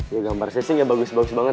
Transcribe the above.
ya gambar saya sih ya bagus bagus banget